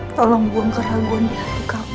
tolong buang keraguan di hati kami